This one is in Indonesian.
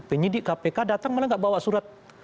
penyidik kpk datang malah nggak bawa surat